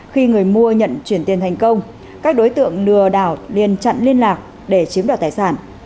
khi người mua nhận chuyển tiền thành công các đối tượng lừa đảo liên chặn liên lạc để chiếm đoạt tài sản